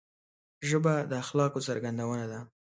ژبه د اخلاقو څرګندونه ده